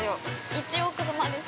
一応、車です。